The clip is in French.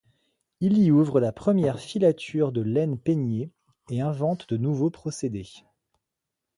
Il y ouvre la première filature de laine peignée et invente de nouveaux procédés.